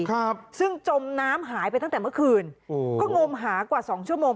ครับซึ่งจมน้ำหายไปตั้งแต่เมื่อคืนโอ้ก็งมหากว่าสองชั่วโมง